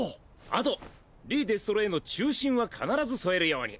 あとリ・デストロへの忠心は必ず添えるように。